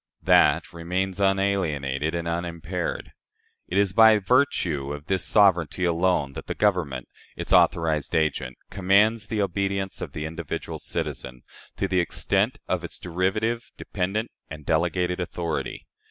That remains, unalienated and unimpaired. It is by virtue of this sovereignty alone that the Government, its authorized agent, commands the obedience of the individual citizen, to the extent of its derivative, dependent, and delegated authority.